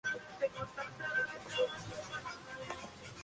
Próxima al inmueble se encuentra una necrópolis.